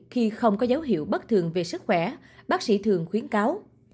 khi không có dấu hiệu bất thường về sức khỏe bác sĩ thường khuyến cáo